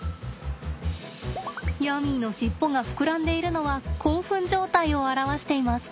ヤミーの尻尾が膨らんでいるのは興奮状態を表しています。